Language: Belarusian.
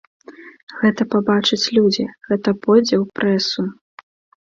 Гэта пабачаць людзі, гэта пойдзе ў прэсу.